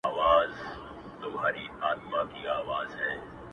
چي په ليدو د ځان هر وخت راته خوښـي راكوي ـ